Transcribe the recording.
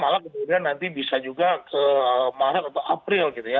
malah kemudian nanti bisa juga ke maret atau april gitu ya